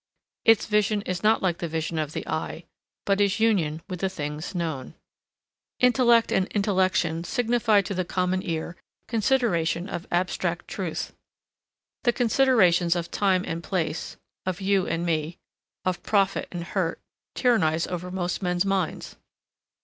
Its vision is not like the vision of the eye, but is union with the things known. Intellect and intellection signify to the common ear consideration of abstract truth. The considerations of time and place, of you and me, of profit and hurt tyrannize over most men's minds.